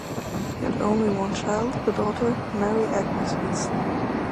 He had only one child, a daughter, Mary Agnes Winston.